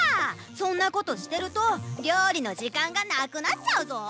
そんなことしてるとりょうりのじかんがなくなっちゃうぞ！